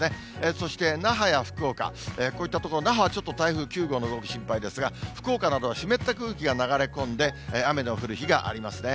そして那覇や福岡、こういった所、那覇はちょっと台風９号の動き、心配ですが、福岡などは湿った空気が流れ込んで、雨の降る日がありますね。